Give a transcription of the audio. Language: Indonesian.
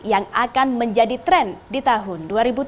yang akan menjadi tren di tahun dua ribu tujuh belas